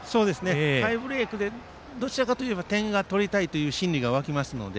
タイブレークでどちらかといえば点を取りたいという心理が沸きますので